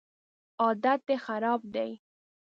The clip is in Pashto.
عادت دي خراب دی